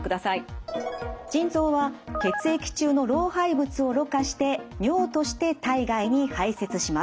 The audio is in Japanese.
腎臓は血液中の老廃物をろ過して尿として体外に排せつします。